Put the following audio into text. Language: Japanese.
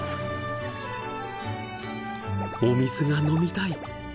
お水が飲みたい。